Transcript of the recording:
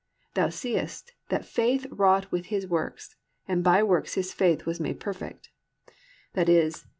Thou seest that faith wrought with his works, and by works was faith made perfect+ (i.e.